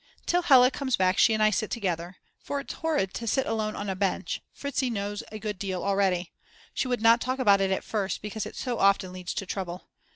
Till Hella comes back she and I sit together. For it's horrid to sit alone on a bench Fritzi knows a good deal already. She would not talk about it at first because it so often leads to trouble.